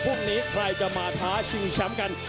พรุ่งนี้ใครจะมาท้าชิงแชมป์กัน